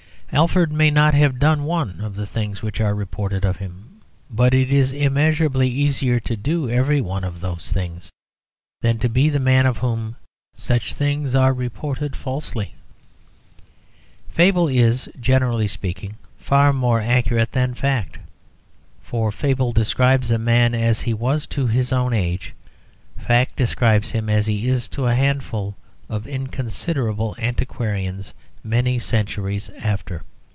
Alfred may not have done one of the things which are reported of him, but it is immeasurably easier to do every one of those things than to be the man of whom such things are reported falsely. Fable is, generally speaking, far more accurate than fact, for fable describes a man as he was to his own age, fact describes him as he is to a handful of inconsiderable antiquarians many centuries after.